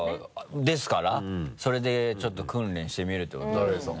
ですからそれでちょっと訓練してみるということですね。